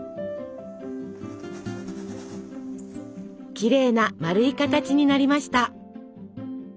きれいな丸い形になりました。